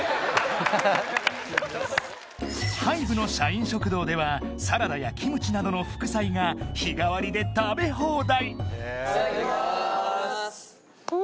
ＨＹＢＥの社員食堂ではサラダやキムチなどの副菜が日替わりで食べ放題フゥ！